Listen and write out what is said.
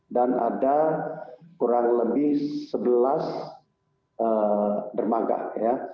dan ada kurang lebih sebelas dermaga